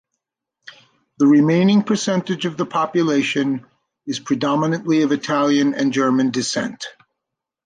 The remaining percentage of the population is predominantly of Italian and German descent.